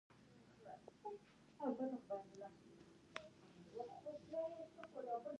د منظور پښتين د سر خولۍ د امن سيمبول شوه.